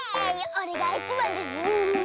おれがいちばんだズル！